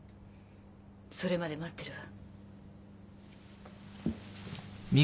それまで待ってるわ。